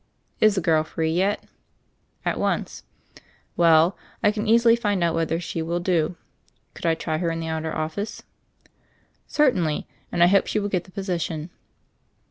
"Is the girl free yet?" "At once." "Well, I can easily find out whether she will do. Could I try her in the outer office ?" "Certainly, and I hope she will get the posi tion."